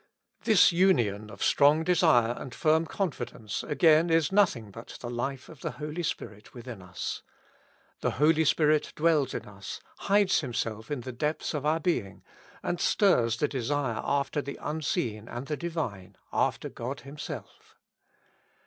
This union of strong desire and firm confidence again is nothing but the life of the Holy Spirit within 254 With Christ in the School of Prayer. us. The Holy Spirit dwells in us, hides Himself in the depths of our being, and stirs the desire after the Unseen and the Divine, after God Himself.